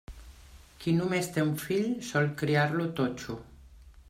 Qui només té un fill, sol criar-lo totxo.